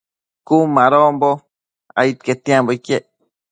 Cun madonbo ai quetianbo iquec